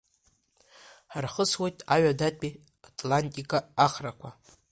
Ҳархысуеит Аҩадатәи Атлантика ахрақәа.